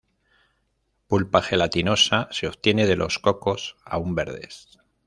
Pulpa gelatinosa: se obtiene de los cocos aún verdes.